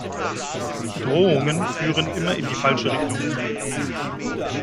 Drohungen führen immer in die falsche Richtung.